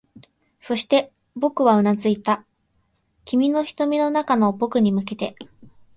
そして、僕はうなずいていた、君の瞳の中の僕に向けて